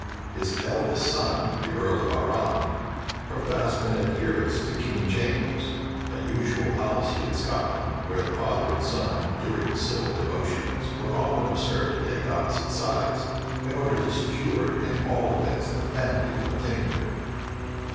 His eldest son, the earl of Arran, professed an adherence to King James; a usual policy in Scotland, where the father and son, during civil commotions, were often observed to take opposite sides, in order to secure in all events the family from attainder.